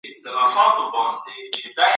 سندرې مثبت احساس رامنځته کوي.